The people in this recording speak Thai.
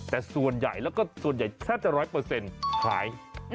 แต่ส่วนใหญ่แล้วก็ส่วนใหญ่แทบจะร้อยเปอร์เซ็นต์หาย